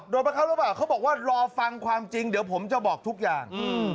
บังคับหรือเปล่าเขาบอกว่ารอฟังความจริงเดี๋ยวผมจะบอกทุกอย่าง